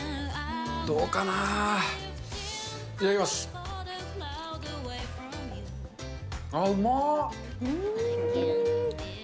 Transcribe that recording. どうかなあ。